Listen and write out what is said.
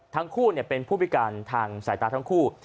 ทั้งคู่เป็นผู้พิการทางสายตาทั้งคู่